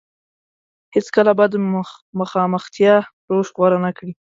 هېڅ کله به د مخامختيا روش غوره نه کړي.